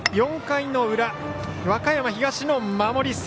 ４回の裏、和歌山東の守り。